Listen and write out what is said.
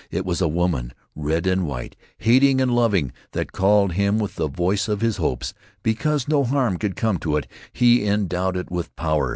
It was a woman, red and white, hating and loving, that called him with the voice of his hopes. Because no harm could come to it he endowed it with power.